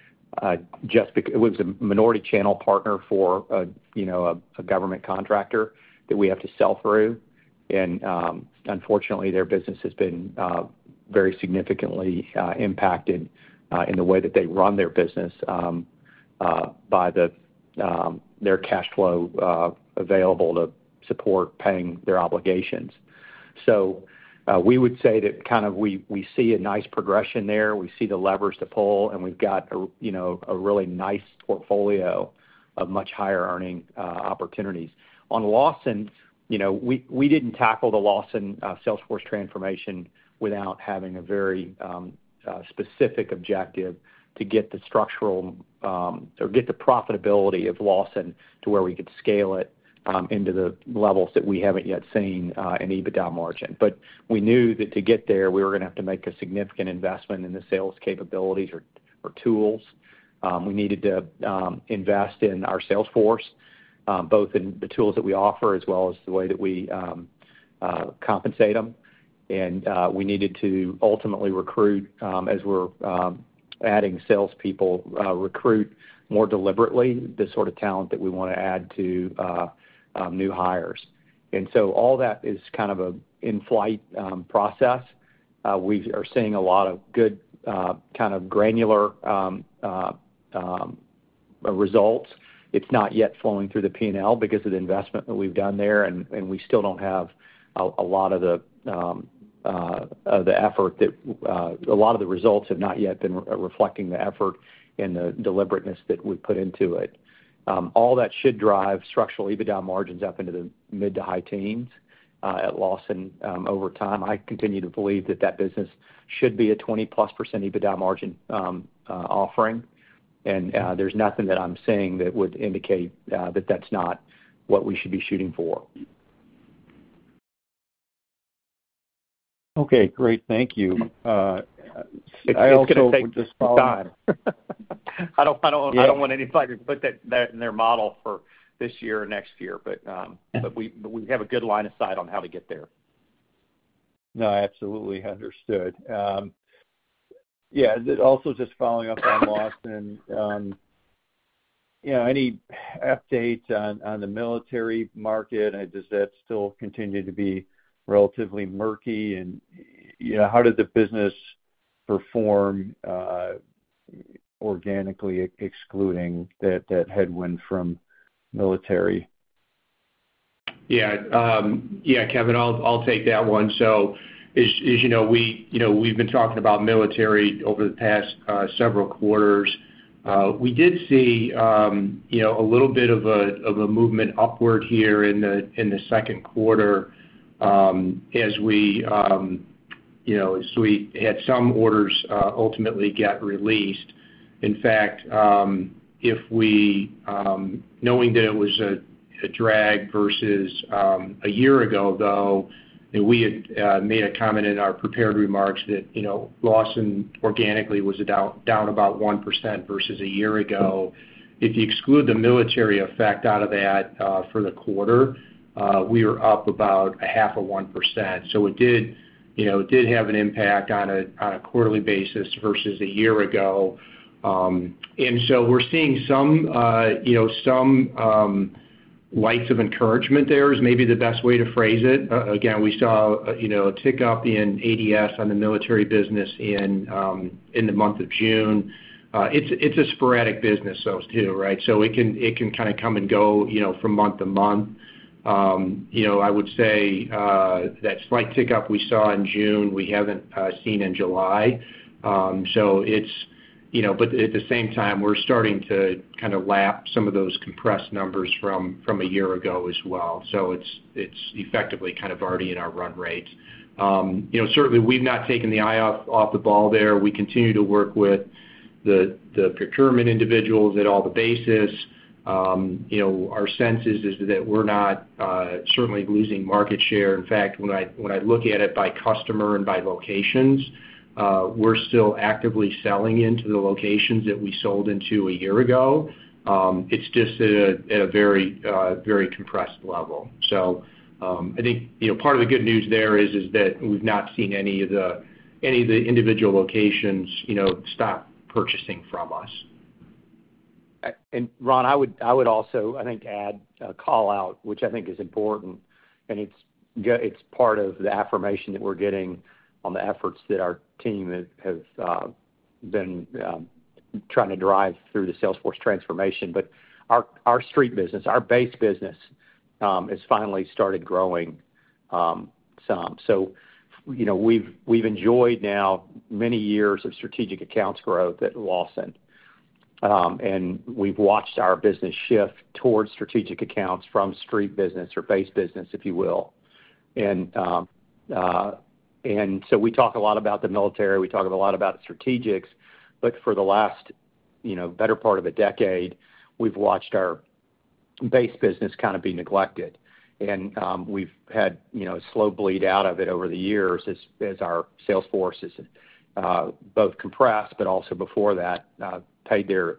just because it was a minority channel partner for a government contractor that we have to sell through. Unfortunately, their business has been very significantly impacted in the way that they run their business by their cash flow available to support paying their obligations. We would say that we see a nice progression there. We see the levers to pull and we've got a really nice portfolio of much higher earning opportunities on Lawson. We didn't tackle the Lawson salesforce transformation without having a very specific objective to get the structural or get the profitability of Lawson to where we could scale it into the levels that we haven't yet seen in EBITDA margin. We knew that to get there we were going to have to make a significant investment in the sales capabilities or tools. We needed to invest in our sales force, both in the tools that we offer as well as the way that we compensate them. We needed to ultimately recruit, as we're adding salespeople, recruit more deliberately the sort of talent that we want to add to new hires. All that is kind of an in flight process. We are seeing a lot of good, granular results. It's not yet flowing through the P&L because of the investment that we've done there and we still don't have a lot of the effort, a lot of the results have not yet been reflecting the effort and the deliberateness that we put into it. All that should drive structural EBITDA margins up into the mid-to-high teens at Lawson over time. I continue to believe that that business should be a 20+% EBITDA margin offering. There's nothing that I'm saying that would indicate that that's not what we should be shooting for.
Okay, great, thank you.
It's going to take, I don't want anybody to put. That in their model for this year or next year, we have a good line of sight on how to get there.
No, I absolutely understood. Also, just following up on Lawson. You. Any update on the military market, does that still continue to be relatively murky? You know, how did the business perform organically excluding that headwind from military?
Yeah, Kevin, I'll take that one. As you know, we've been talking about military over the past several quarters. We did see a little bit of a movement upward here in the second quarter as we had some orders ultimately get released. In fact, knowing that it was a drag versus a year ago, we had made a comment in our prepared remarks that Lawson organically was down about 1% versus a year ago. If you exclude the military effect out of that for the quarter, we were up about 0.5%. It did have an impact on a quarterly basis versus a year ago. We're seeing some lights of encouragement. There is maybe the best way to phrase it. Again, we saw a tick up in ADS on the military business in the month of June. It's a sporadic business, those too. It can kind of come and go from month to month. I would say that slight tick up we saw in June we haven't seen in July. At the same time, we're starting to kind of lap some of those compressed numbers from a year ago as well. It's effectively kind of already in our run rate. Certainly, we've not taken the eye off the ball there. We continue to work with the procurement individuals at all the bases. Our sense is that we're not certainly losing market share. In fact, when I look at it by customer and by locations, we're still actively selling into the locations that we sold into a year ago. It's just at a very, very compressed level. Part of the good news there is that we've not seen any of the individual locations stop purchasing from us.
Ron, I would also, I think, add a call out, which I think is important and it's part of the affirmation that we're getting on the efforts that our team have been trying to drive through the salesforce transformation. Our street business, our base business, has finally started growing some. You know, we've enjoyed now many years of strategic accounts growth at Lawson Products and we've watched our business shift towards strategic accounts from street business or base business, if you will. We talk a lot about the military, we talk a lot about strategics, but for the last, you know, better part of a decade, we've watched our base business kind of be neglected and we've had a slow bleed out of it over the years as our sales force has both compressed but also before that paid their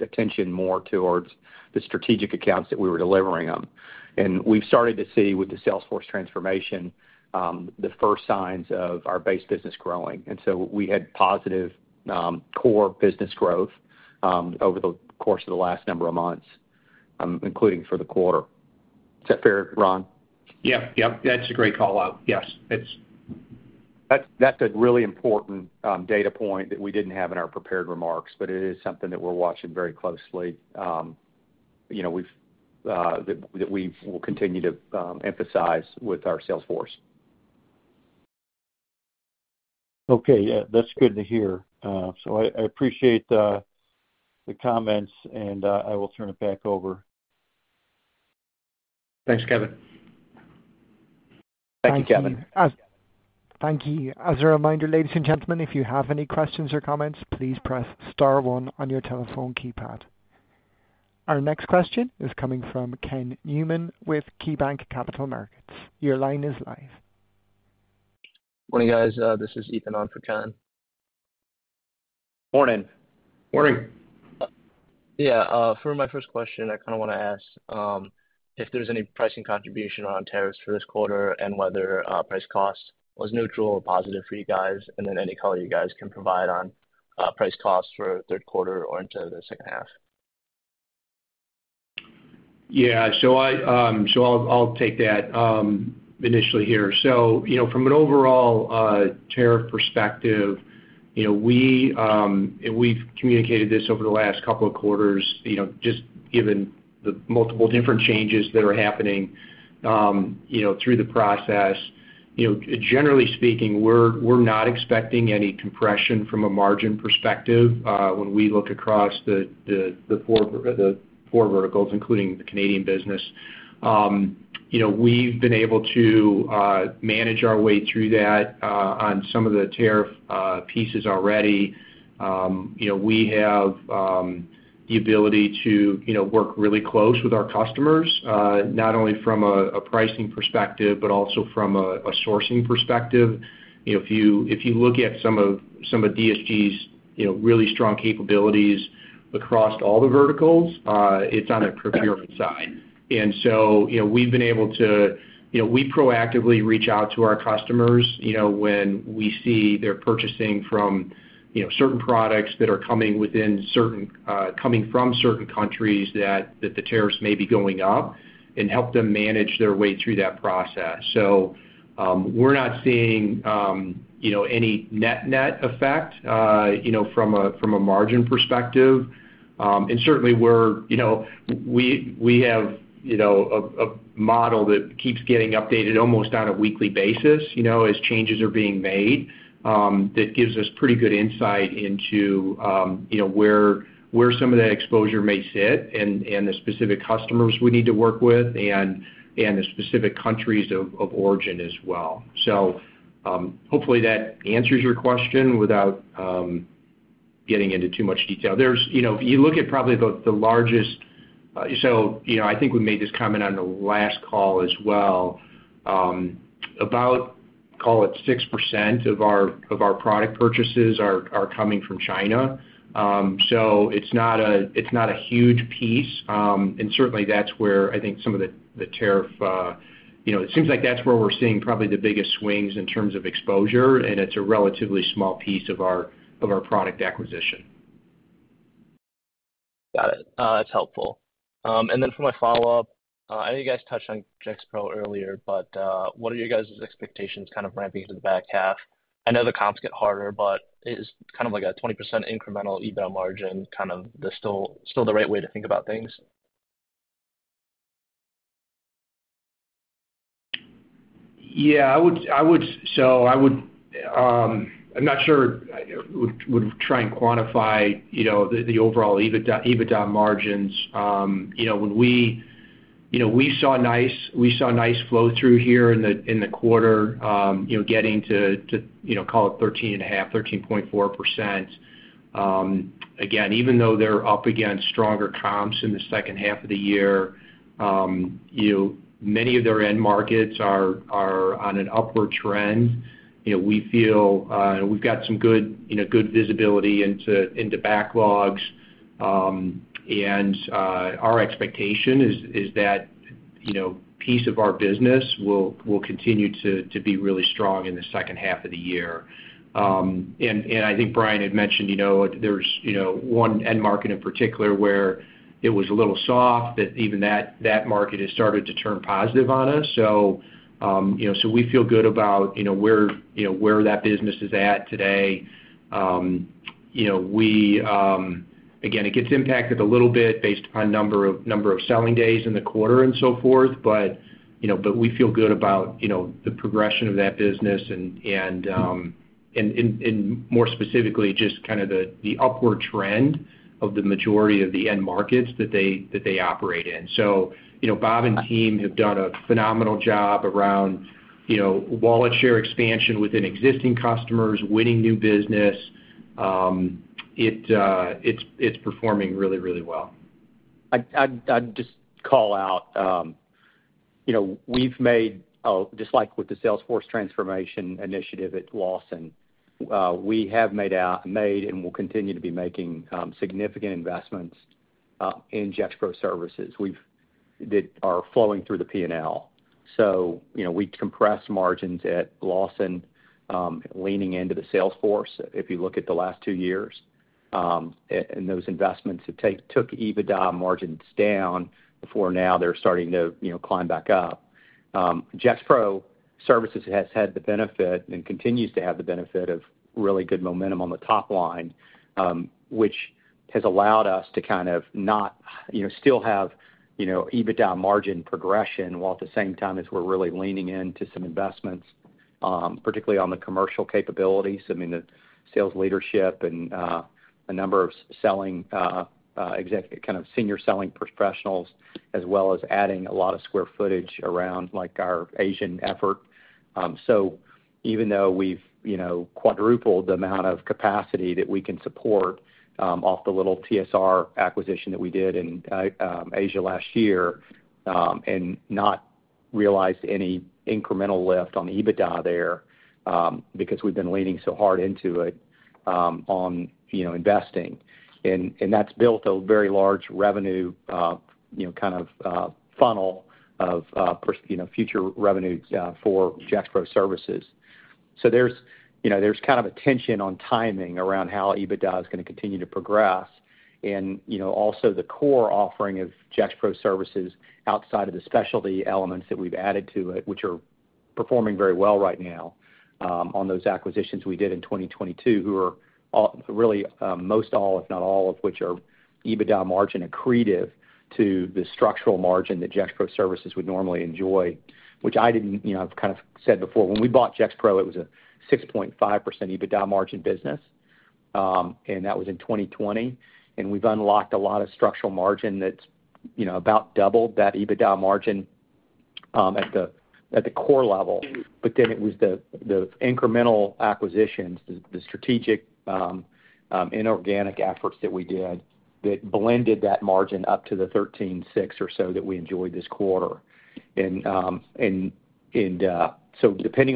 attention more towards the strategic accounts that we were delivering them. We've started to see with the salesforce transformation the first signs of our base business growing. We had positive core business growth over the course of the last number of months, including for the quarter. Is that fair, Ron?
Yeah, that's a great call out. Yes,
that's a really important data point that we didn't have in our prepared remarks, but it is something that we're watching very closely. We've said that we will continue to emphasize that with our salesforce.
Okay. That's good to hear. I appreciate the comments and I will turn it back over.
Thanks, Kevin.
Thank you, Kevin.
Thank you. As a reminder, ladies and gentlemen, if you have any questions or comments, please press star one on your telephone keypad. Our next question is coming from Ken Newman with KeyBanc Capital Markets. Your line is live.
Morning, guys. This is Ethan on for Ken.
Morning.
Morning.
For my first question, I kind of want to ask if there's any pricing contribution on tariffs for this quarter and whether price cost was neutral or positive for you guys, and then any color you guys can provide on price costs for third quarter or into the second half.
Yeah, I'll take that initially here. From an overall tariff perspective, we've communicated this over the last couple of quarters. Just given the multiple different changes that are happening through the process, generally speaking, we're not expecting any compression from a margin perspective. When we look across the four verticals, including the Canadian business, we've been able to manage our way through that on some of the tariff pieces already. We have the ability to work really close with our customers, not only from a pricing perspective, but also from a sourcing perspective. If you look at some of DSG's really strong capabilities across all the verticals, it's on the procurement side. We've been able to proactively reach out to our customers when we see they're purchasing certain products that are coming from certain countries that the tariffs may be going up and help them manage their way through that process. We're not seeing any net effect from a margin perspective. We have a model that keeps getting updated almost on a weekly basis as changes are being made. That gives us pretty good insight into where some of that exposure may sit and the specific customers we need to work with and the specific countries of origin as well. Hopefully that answers your question without getting into too much detail. You look at probably the largest, I think we made this comment on the last call as well, about 6% of our product purchases are coming from China. It's not a huge piece and that's where I think some of the tariff, it seems like that's where we're seeing probably the biggest swings in terms of exposure and it's a relatively small piece of our product acquisition.
Got it. That's helpful. For my follow up, I know you guys touched on Gexpro Services earlier, but what are your guys' expectations kind of ramping into the back half? I know the comps get harder. Is it kind of like a 20% incremental EBITDA margin, kind of still the right way to think about things?
I would, I'm not sure I would try and quantify, you know, the overall EBITDA margins. You know, we saw nice flow through here in the quarter, you know, getting to, you know, call it 13.5%, 13.4% again. Even though they're up against stronger comps in the second half of the year, many of their end markets are on an upward trend. We feel we've got some good visibility into backlogs and our expectation is that, you know, piece of our business will continue to be really strong in the second half of the year. I think Bryan had mentioned, you know, there's one end market in particular where it was a little soft that even that market has started to turn positive on us. We feel good about, you know, where that business is at today. It gets impacted a little bit based on number of selling days in the quarter and so forth, but we feel good about the progression of that business and more specifically just kind of the upward trend of the majority of the end markets that they operate in. Bob and team have done a phenomenal job around wallet share expansion within existing customers, winning new business. It's performing really, really well.
I just call out, you know, we've made just like with the salesforce transformation initiative at Lawson, we have made and will continue to be making significant investments in Gexpro Services that are flowing through the P&L. You know, we compressed margins at Lawson leaning into the salesforce. If you look at the last two years and those investments have took EBITDA margins down before, now they're starting to, you know, climb back up. Gexpro Services has had the benefit and continues to have the benefit of really good momentum on the top line, which has allowed us to kind of not, you know, still have, you know, EBITDA margin progression, while at the same time as we're really leaning into some investments, particularly on the commercial capabilities, I mean, the sales leadership and a number of selling executive kind of senior selling professionals, as well as adding a lot of square footage around like our Asian effort. Even though we've quadrupled the amount of capacity that we can support off the little TSR acquisition that we did in Asia last year and not realized any incremental lift on the EBITDA there because we've been leaning so hard into it on investing, and that's built a very large revenue kind of funnel of future revenue for Gexpro Services. There's kind of a tension on timing around how EBITDA is going to continue to progress and you know, also the core offering of Gexpro Services, outside of the specialty elements that we've added to it, which are performing very well right now on those acquisitions we did in 2022, who are really most all, if not all of which are EBITDA margin accretive to the structural margin that Gexpro Services would normally enjoy, which I didn't, you know, I've kind of said before, when we bought Gexpro, it was a 6.5% EBITDA margin business and that was in 2020. We've unlocked a lot of structural margin that's about doubled that EBITDA margin at the core level. Then it was the incremental acquisitions, the strategic inorganic efforts that we did that blended that margin up to the 13.6 or so that we enjoyed this quarter. Depending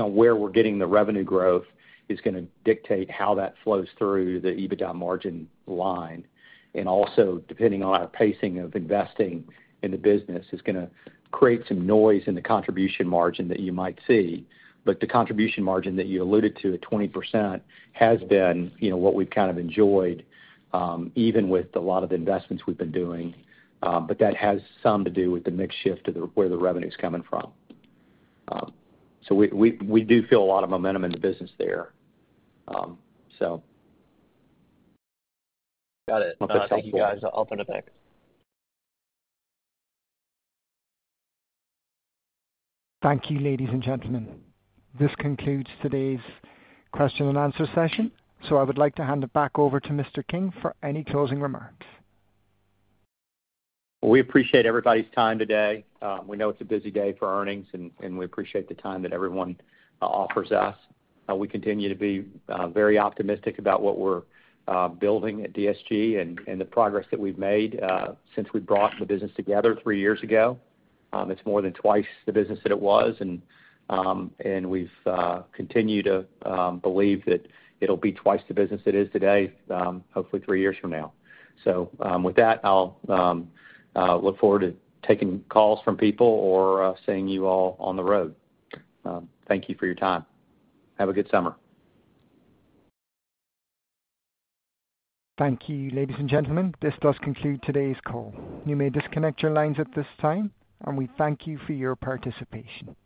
on where we're getting the revenue growth is going to dictate how that flows through the EBITDA margin line. Also depending on our pacing of investing in the business is going to create some noise in the contribution margin that you might see. The contribution margin that you alluded to at 20% has been what we've kind of enjoyed even with a lot of the investments we've been doing, but that has some to do with the mix shift to where the revenue is coming from. We do feel a lot of momentum in the business there.
Got it. Thank you, guys. I'll put it back.
Thank you. Ladies and gentlemen, this concludes today's question and answer session. I would like to hand it back over to Mr. King for any closing remarks.
We appreciate everybody's time today. We know it's a busy day for earnings, and we appreciate the time that everyone offers us. We continue to be very optimistic about what we're building at Distribution Solutions Group and the progress that we've made since we brought the business together three years ago. It's more than twice the business that it was, and we've continued to believe that it'll be twice the business it is today, hopefully three years from now. I look forward to taking calls from people or seeing you all on the road. Thank you for your time. Have a good summer.
Thank you. Ladies and gentlemen, this does conclude today's call. You may disconnect your lines at this time, and we thank you for your participation.